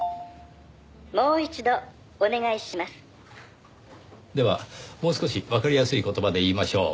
「もう一度お願いします」ではもう少しわかりやすい言葉で言いましょう。